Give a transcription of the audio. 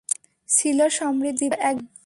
ছিল সমৃদ্ধ এক জীবন!